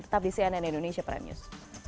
tetap di cnn indonesia prime news